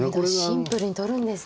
シンプルに取るんですね。